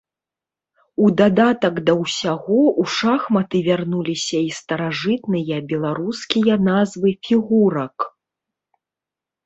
У дадатак да ўсяго, у шахматы вярнуліся і старажытныя беларускія назвы фігурак.